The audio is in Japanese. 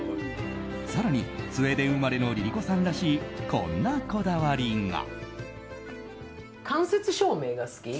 更に、スウェーデン生まれのＬｉＬｉＣｏさんらしいこんなこだわりが。